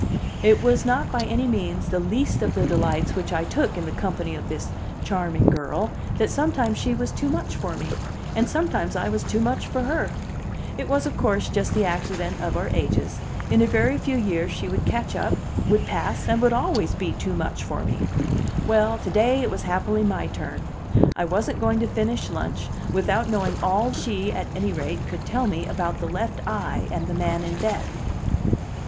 It was not by any means the least of the delights which I took in the company of this charming girl that sometimes she was too much for me, and sometimes I was too much for her. It was, of course, just the accident of our ages; in a very few years she would catch up, would pass, would always be too much for me. Well, to day it was happily my turn; I wasn't going to finish lunch without knowing all she, at any rate, could tell me about the left eye and the man in bed.